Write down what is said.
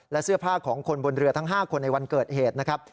และเสื้อผ้าของคนบนเรือทั้ง๕คนในวันเกิดเหตุนะครับ